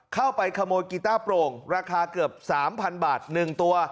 เข้าไปขโมยกีต้าโปร่งราคาเกือบ๓๐๐บาท๑ตัว